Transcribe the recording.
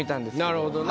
なるほどね。